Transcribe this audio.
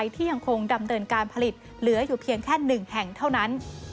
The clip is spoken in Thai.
ที่ยังคงดำเนินการผลิตเหลืออยู่เพียงแค่๑แห่งเท่านั้น